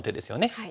はい。